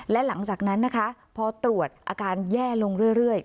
และหลังจากนั้นนะคะพอตรวจอาการแย่ลงเรื่อย